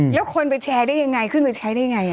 แล้วคนไปแชร์ได้ยังไงขึ้นไปใช้ได้ไง